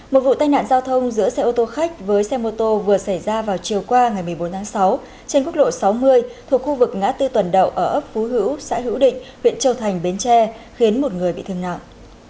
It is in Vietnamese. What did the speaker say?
một vụ tai nạn giao thông giữa xe ô tô khách với xe mô tô vừa xảy ra vào chiều qua ngày một mươi bốn tháng sáu trên quốc lộ sáu mươi thuộc khu vực ngã tư tuần đậu ở ấp phú hữu xã hữu định huyện châu thành bến tre khiến một người bị thương nặng